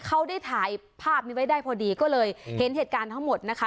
เขาได้ถ่ายภาพนี้ไว้ได้พอดีก็เลยเห็นเหตุการณ์ทั้งหมดนะคะ